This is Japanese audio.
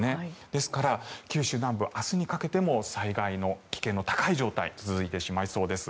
ですから、九州南部明日にかけても災害の危険の高い状態が続いてしまいそうです。